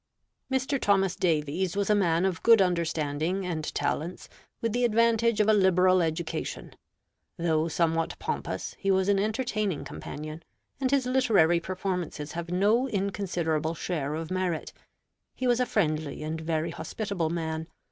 Mr. Thomas Davies was a man of good understanding and talents, with the advantage of a liberal education. Though somewhat pompous, he was an entertaining companion; and his literary performances have no inconsiderable share of merit. He was a friendly and very hospitable man.